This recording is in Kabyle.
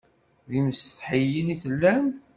D imsetḥiyen i tellam?